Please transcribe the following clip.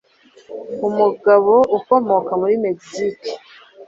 umugabo ukomoka muri Mexique.